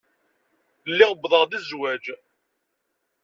Lliɣ uwḍeɣ-d i zzwaj.